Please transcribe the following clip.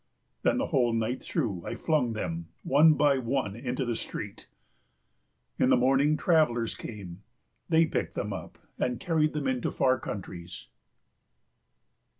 Then the whole night through I flung them one by one into the street. In the morning travellers came; they picked them up and carried them into far countries.